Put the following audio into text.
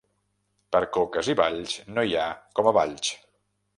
Per coques i balls no hi ha com a Valls.